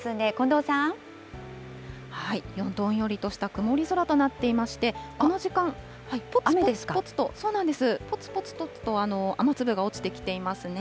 どんよりとした曇り空となっていまして、この時間、ぽつぽつぽつと雨粒が落ちてきていますね。